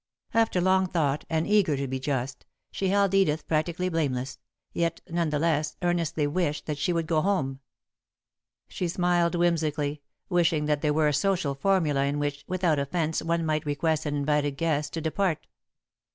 After long thought, and eager to be just, she held Edith practically blameless, yet, none the less, earnestly wished that she would go home. She smiled whimsically, wishing that there were a social formula in which, without offence, one might request an invited guest to depart.